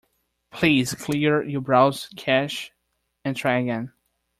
Please clear your browser cache and try again.